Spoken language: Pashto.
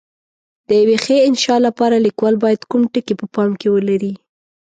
د یوې ښې انشأ لپاره لیکوال باید کوم ټکي په پام کې ولري؟